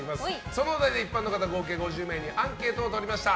そのお題で一般の方合計５０名にアンケートを取りました。